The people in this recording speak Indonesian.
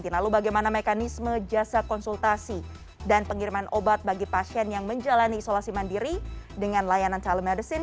lalu bagaimana mekanisme jasa konsultasi dan pengiriman obat bagi pasien yang menjalani isolasi mandiri dengan layanan telemedicine